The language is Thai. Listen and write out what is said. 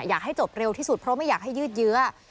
อยากให้จบเร็วที่สุดเพราะไม่อยากให้ยืดเยื้อ